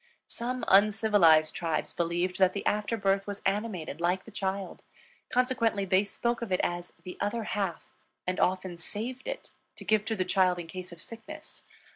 Some uncivilized tribes believed that the after birth was animated like the child; consequently they spoke of it as "the other half," and often saved it to give to the child in case of sickness.